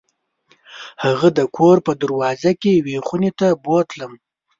هغه د کور په دروازه کې یوې خونې ته بوتلم.